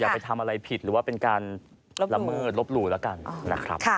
อย่าไปทำอะไรผิดหรือว่าเป็นการล้ำเมิดลบรูละกัน